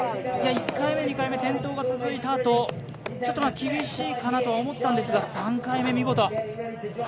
１回目、２回目が転倒が続いたあと厳しいかなとは思ったんですが３回目、見事！